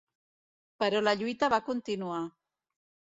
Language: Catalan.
Però la lluita va continuar.